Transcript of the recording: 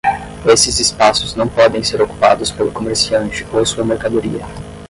Esses espaços não podem ser ocupados pelo comerciante ou sua mercadoria.